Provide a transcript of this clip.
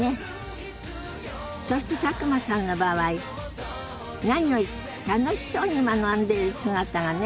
そして佐久間さんの場合何より楽しそうに学んでいる姿がね